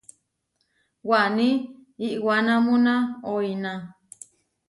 Waní iʼwanámuna oʼiná.